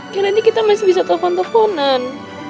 ya nanti kita masih bisa telfon tefonan